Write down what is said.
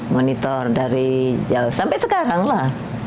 monitor dari jauh sampai sekarang lah